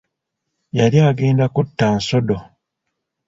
Yali agenda kutta Nsodo